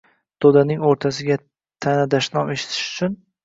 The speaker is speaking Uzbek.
To‘daning o‘rtasiga — ta’na-dashnom eshitish uchun?!